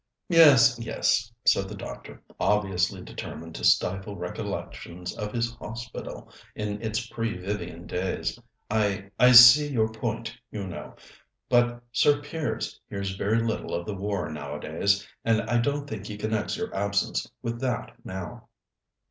"Yes, yes," said the doctor, obviously determined to stifle recollections of his Hospital in its pre Vivian days. "I I see your point, you know. But Sir Piers hears very little of the war nowadays, and I don't think he connects your absence with that now."